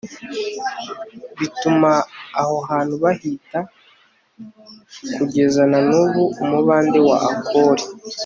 bituma aho hantu bahita kugeza na n'ubu umubande wa akori